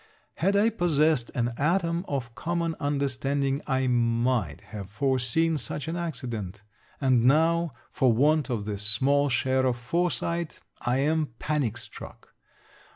Had I possessed an atom of common understanding, I might have foreseen such an accident; and now, for want of this small share of foresight, I am panic struck.